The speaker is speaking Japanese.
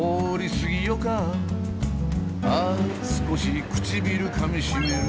「ああ少し唇かみしめる」